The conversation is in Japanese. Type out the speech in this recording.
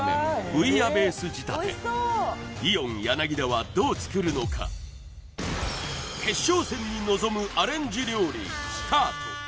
ブイヤベース仕立てイオン田はどう作るのか決勝戦に臨むアレンジ料理スタート